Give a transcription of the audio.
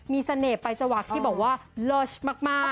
มีเสน่ห์ปลายจะหวักที่บอกว่ามักมาก